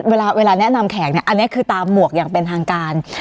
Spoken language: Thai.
ตอนนี้ฉันแนะนำแขกอันนี้คือตามหมวกอย่างเป็นทางการ